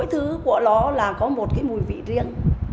mỗi thứ của nó là có một cái mùi vị riêng